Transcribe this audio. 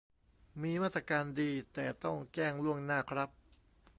มีมาตรการดี แต่ต้องแจ้งล่วงหน้าครับ